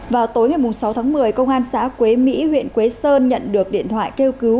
vào tối ngày sáu tháng một mươi công an xã quế mỹ huyện quế sơn nhận được điện thoại kêu cứu